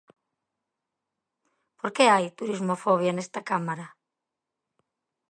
¿Por que hai turismofobia nesta Cámara?